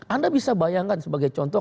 anda bisa bayangkan sebagai contoh